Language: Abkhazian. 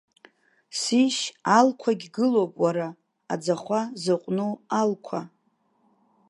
Сишь, алқәагь гылоуп уара, аӡахәа зыҟәну алқәа!